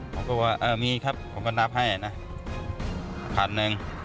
ผมก็ว่าเออมีครับผมก็นับให้นะพันหนึ่ง